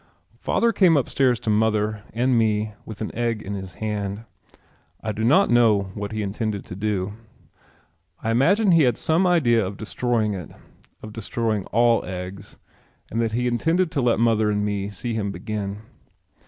Father came upstairs to mother and me with an egg in his hand. I do not know what he intended to do. I imagine he had some idea of destroying it, of destroying all eggs, and that he intended to let mother and me see him begin.